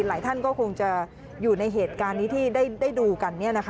หลายท่านก็คงจะอยู่ในเหตุการณ์นี้ที่ได้ดูกัน